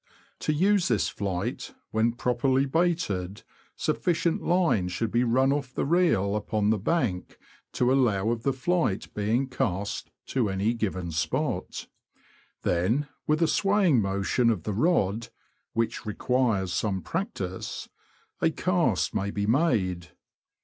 To use this flight, when properly baited, sufficient line should be run off the reel upon the bank to aflow of the flight being cast to any given spot. Then, with a swaying motion of the rod (which requires some practice), a cast may be made.